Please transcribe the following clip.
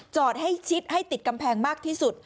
จอดให้ชิดให้ติดกำแพงมากที่สุด